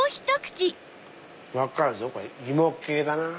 分かるぞこれ芋系だな。